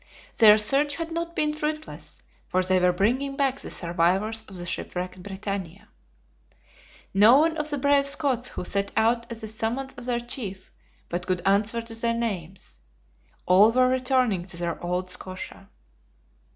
Their search had not been fruitless, for they were bringing back the survivors of the shipwrecked BRITANNIA. Not one of the brave Scots who set out at the summons of their chief, but could answer to their names; all were returning to their old Scotia.